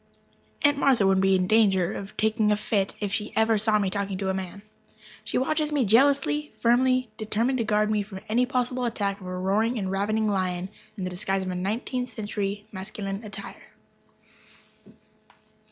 Aunt Martha would be in danger of taking a fit if she ever saw me talking to a man. She watches me jealously, firmly determined to guard me from any possible attack of a roaring and ravening lion in the disguise of nineteenth century masculine attire.